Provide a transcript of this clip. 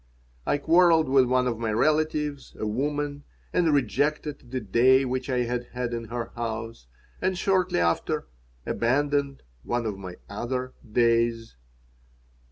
I quarreled with one of my relatives, a woman, and rejected the "day" which I had had in her house, and shortly after abandoned one of my other "days."